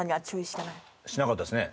しなかったですね。